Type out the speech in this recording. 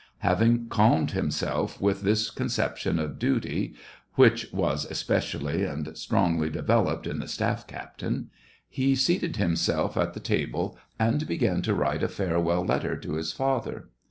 Having calmed himself with this con ception of duty, which was especially and strongly developed in the staff captain, he seated him self at the table, and began to write a farewell letter to his father.